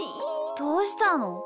どうしたの？